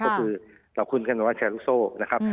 ก็คือเราคุ้นเส้นว่าแชร์ลูกโซ่นะครับ